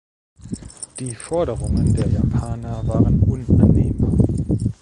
Die Forderungen der Japaner waren unannehmbar.